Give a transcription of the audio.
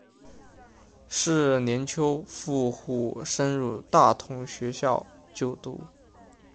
是年秋赴沪升入大同学校就读。